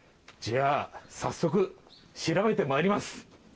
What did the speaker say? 早速調べてまいります。